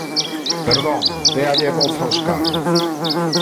Perdón, déalle voz ao escano.